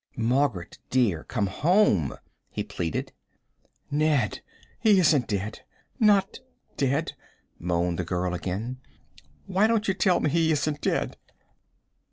"Margaret, dear, come home," he pleaded. "Ned, he isn't dead not dead," moaned the girl again. "Why don't you tell me he isn't dead?"